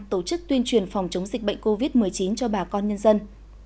tổ chức tuyên truyền phòng chống dịch bệnh covid một mươi chín cho bà con nhân dân